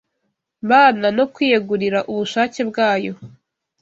Mana no kwiyegurira ubushake bwayo